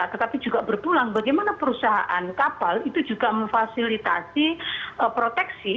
tetapi juga berpulang bagaimana perusahaan kapal itu juga memfasilitasi proteksi